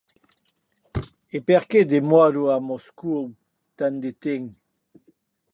E per qué s’estan en Moscòu tant de temps?